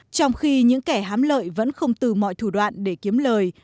trong khi những kẻ hám lợi vẫn không từ mọi thủ đoạn để kiếm lời